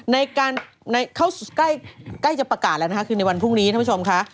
ในการเข้าใกล้จะประกาศแล้วนะคะคือในวันพรุ่งนี้ท่านผู้ชมค่ะ